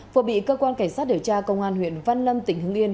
vừa bị cơ quan cảnh sát điều tra công an huyện văn lâm tỉnh hưng yên